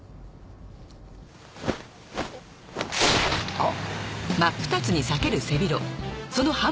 あっ。